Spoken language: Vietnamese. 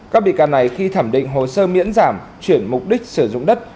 các bị can này khi thẩm định hồ sơ miễn giảm chuyển mục đích sử dụng đất